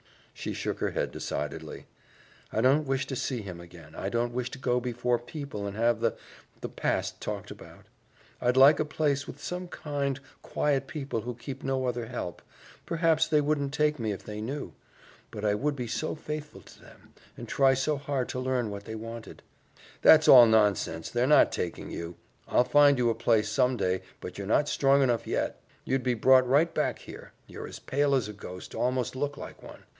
She shook her head decidedly. "I don't wish to see him again. I don't wish to go before people and have the the past talked about. I'd like a place with some kind, quiet people who keep no other help. Perhaps they wouldn't take me if they knew; but I would be so faithful to them, and try so heard to learn what they wanted " "That's all nonsense, their not taking you. I'll find you a place some day, but you're not strong enough yet. You'd be brought right back here. You're as pale as a ghost almost look like one.